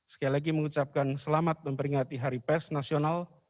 sekali lagi mengucapkan selamat memperingati hari pers nasional